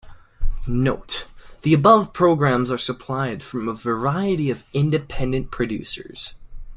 Note: The above programs are supplied from a variety of independent producers.